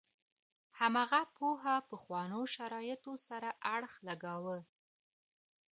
هماغه پوهه پخوانو شرایطو سره اړخ لګاوه.